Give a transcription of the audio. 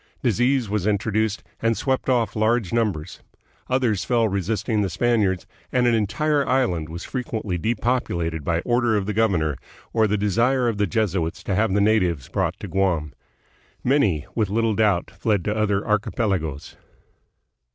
Disease was introduced and swept off large numbers. Others fell resisting the Spaniards, and an entire island was frequently depopulated by order of the governor, or the desire of the Jesuits to have the natives brought to Guam. Many, with little doubt, fled to other archipelagoes.